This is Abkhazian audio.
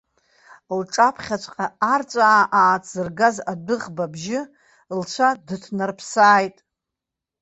Лҿаԥхьаҵәҟьа арҵәаа ааҭзыргаз адәыӷба абжьы лцәа дынҭнарԥсааит.